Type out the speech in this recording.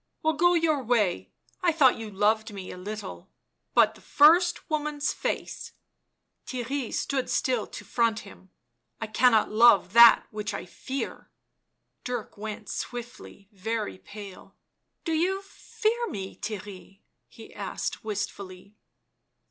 " Well, go your way — I thought you loved me a little — but the first woman's face !" Theirry stood still to front him. " I cannot love that which — I fear." Dirk went swiftly very pale. " Do you — fear me, Theirry?" he asked wistfully.